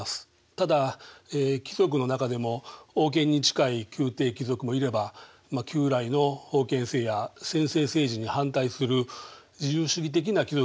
ただ貴族の中でも王権に近い宮廷貴族もいれば旧来の封建制や専制政治に反対する自由主義的な貴族もいます。